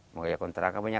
mungkin kontrakan banyak